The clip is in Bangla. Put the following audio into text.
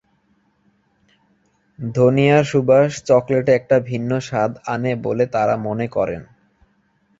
ধনিয়ার সুবাস চকলেটে একটা ভিন্ন স্বাদ আনে বলে তাঁরা মনে করেন।